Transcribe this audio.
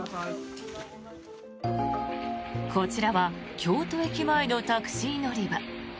こちらは京都駅前のタクシー乗り場。